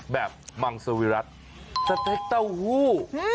มังสวิรัติสเต็กเต้าหู้